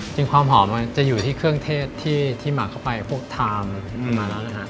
ความหอมมันจะอยู่ที่เครื่องเทศที่หมักเข้าไปพวกทามมันมาแล้วนะฮะ